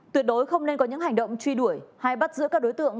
tuyệt đối không nên có những hành động truy đuổi hay bắt giữ các đối tượng